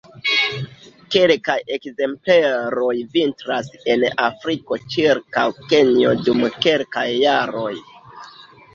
Kelkaj ekzempleroj vintras en Afriko ĉirkaŭ Kenjo dum kelkaj jaroj.